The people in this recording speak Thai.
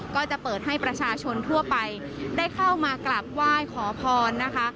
ก็จะเปิดให้ประชาชนทั่วไปได้เข้ามากราบไหว้ขอพรนะคะ